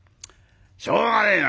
「しょうがねえな。